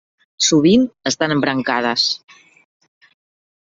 Sovint estan embrancades.